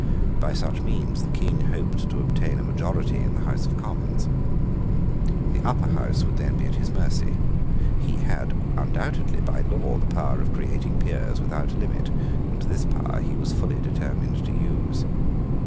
By such means the King hoped to obtain a majority in the House of Commons. The Upper House would then be at his mercy. He had undoubtedly by law the power of creating peers without limit: and this power he was fully determined to use.